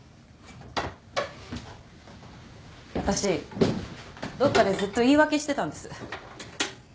私どっかでずっと言い訳してたんです。